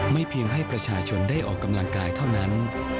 เพียงให้ประชาชนได้ออกกำลังกายเท่านั้น